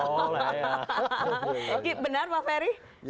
oke benar pak ferry